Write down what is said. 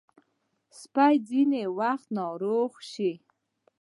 سپي ځینې وخت ناروغ شي.